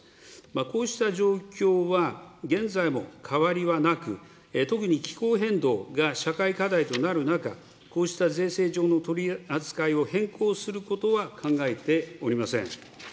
こうした状況は、現在も変わりはなく、特に気候変動が社会課題となる中、こうした税制上の取り扱いを変更することは考えておりません。